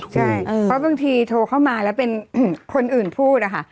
ใช่เพราะบางทีโทรเข้ามาแล้วเป็นคนอื่นพูดอะค่ะ